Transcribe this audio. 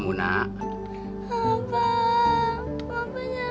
om lapar ya